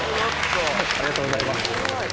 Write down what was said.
「ありがとうございます」